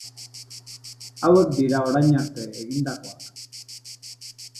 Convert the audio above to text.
Hauek dira orain arte egindakoak.